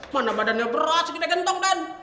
mana badannya berat segini gentong den